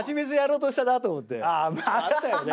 あったよね。